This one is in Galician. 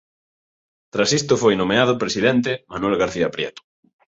Tras isto foi nomeado presidente Manuel García Prieto.